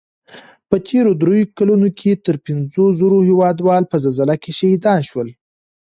په تېرو دریو کلو کې تر پنځو زرو هېوادوال په زلزله کې شهیدان شول